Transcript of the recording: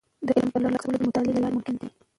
د علم ترلاسه کول د مطالعې له لارې ممکن دي.